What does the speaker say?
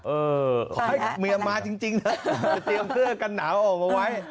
ขอให้เมียมาจริงนะจะเตรียมเสื้อกันหนาวออกมาไว้